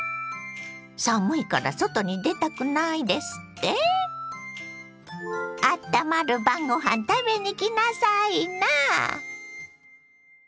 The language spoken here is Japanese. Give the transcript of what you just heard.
寒いから外に出たくないですって⁉あったまる晩ご飯食べに来なさいな！